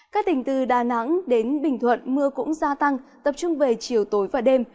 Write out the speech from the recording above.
các tỉnh từ đà nẵng đến bình thuận mưa cũng gia tăng tập trung về chiều tối và đêm